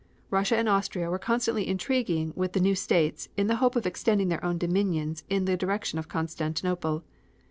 Russia and Austria were constantly intriguing with the new states, in the hope of extending their own domains in the direction of Constantinople.